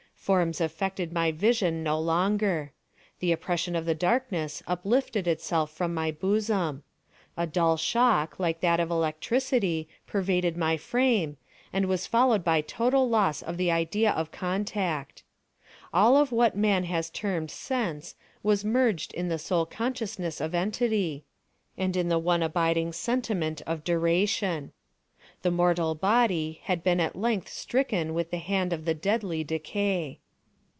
Forms affected my vision no longer. The oppression of the Darkness uplifted itself from my bosom. A dull shock like that of electricity pervaded my frame, and was followed by total loss of the idea of contact. All of what man has termed sense was merged in the sole consciousness of entity, and in the one abiding sentiment of duration. The mortal body had been at length stricken with the hand of the deadly Decay.